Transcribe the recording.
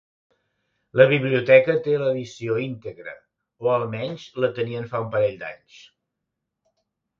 La biblioteca té l'edició íntegra, o almenys la tenien fa un parell d'anys.